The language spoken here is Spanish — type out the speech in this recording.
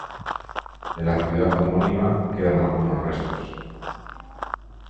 De la ciudad homónima quedan algunos restos.